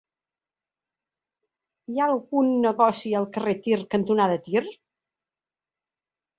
Hi ha algun negoci al carrer Tir cantonada Tir?